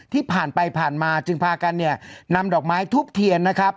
ที่ผ่านไปผ่านมาจึงพากันเนี่ยนำดอกไม้ทุบเทียนนะครับ